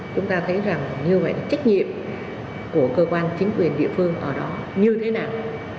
chúng ta thấy rằng như vậy là trách nhiệm của cơ quan chính quyền địa phương ở đó như thế nào